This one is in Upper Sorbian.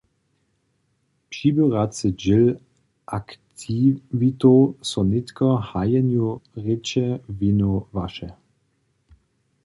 Přiběracy dźěl aktiwitow so nětko hajenju rěče wěnowaše.